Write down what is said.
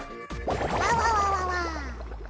あわわわわわ。